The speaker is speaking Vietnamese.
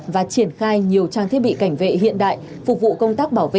và triển khai nhiều trang thiết bị cảnh vệ hiện đại phục vụ công tác bảo vệ